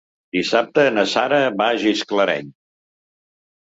Dissabte na Sara va a Gisclareny.